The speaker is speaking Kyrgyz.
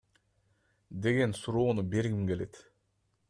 деген суроону бергим келет.